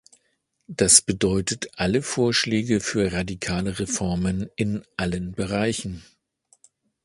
Das bedeutet alle Vorschläge für radikale Reformen in allen Bereichen.